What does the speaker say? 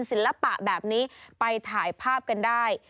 ศิลปะแบบนี้ไปถ่ายภาพกันได้